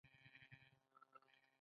د چرګ غوښه سپینه ده که سره؟